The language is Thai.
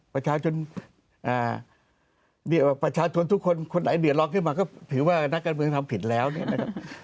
ประชาชนประชาชนทุกคนคนไหนเดือดร้อนขึ้นมาก็ถือว่านักการเมืองทำผิดแล้วเนี่ยนะครับ